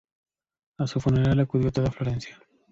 A su funeral acudió toda Florencia